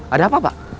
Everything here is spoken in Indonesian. ada apa pak